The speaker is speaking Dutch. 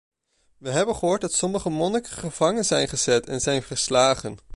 We hebben gehoord dat sommige monniken gevangen zijn gezet en zijn geslagen.